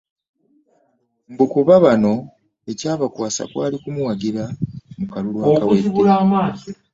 Mbu kuba bano ekyabakwasa kwali kumuwagira mu kalulu akawedde.